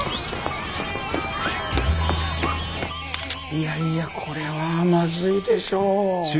いやいやこれはまずいでしょう。